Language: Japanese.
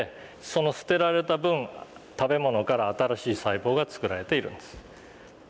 その捨てられた分食べものから新しい細胞が作られているんです。